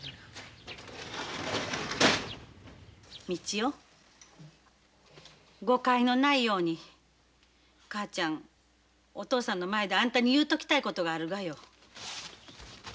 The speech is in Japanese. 道雄誤解のないように母ちゃんお父さんの前であんたに言うときたいことがあるがよ。